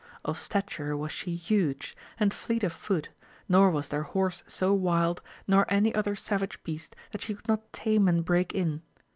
Of statute was she huge, and fleet of foot, nor was there horse so wild nor any other savage beast that she could not tame and break in.